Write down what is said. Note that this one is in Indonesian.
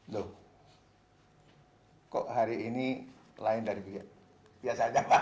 loh kok hari ini lain dari biasa saja pak